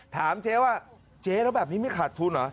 ถามเจ๊ว่าเจ๊แล้วแบบนี้ไม่ขาดทุนเหรอ